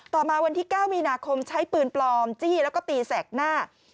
มาวันที่๙มีนาคมใช้ปืนปลอมจี้แล้วก็ตีแสกหน้า